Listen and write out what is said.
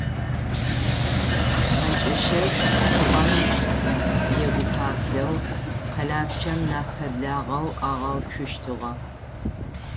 Хьакӏэщыр тыгъэм егупаплъэу къэлапчъэм нахь пэблагъэу агъэуцущтыгъэ.